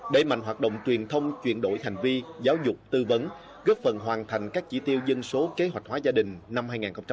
đẩy mạnh hoạt động truyền thông chuyển đổi hành vi giáo dục tư vấn góp phần hoàn thành các chỉ tiêu dân số kế hoạch hóa gia đình năm hai nghìn một mươi năm